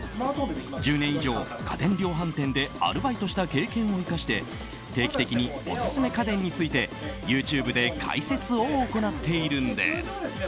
１０年以上、家電量販店でアルバイトした経験を生かして定期的にオススメ家電についてＹｏｕＴｕｂｅで解説を行っているんです。